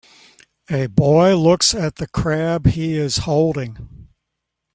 A boy looks at the crab he is holding